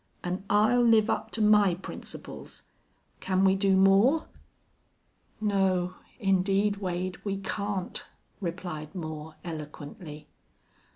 An' I'll live up to my principles. Can we do more?" "No, indeed, Wade, we can't," replied Moore, eloquently.